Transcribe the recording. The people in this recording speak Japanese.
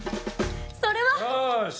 それは。よし。